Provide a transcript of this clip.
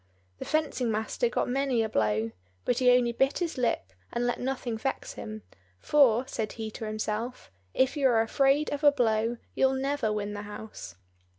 The fencing master got many a blow, but he only bit his lip, and let nothing vex him; "for," said he to himself, "If you are afraid of a blow, you'll never win the house."